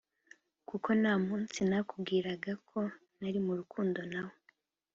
kuko ntamunsi ntakubwiraga ko ntarimurukundo nawe."